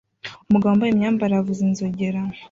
Umugabo wambaye imyambarire avuza inzogera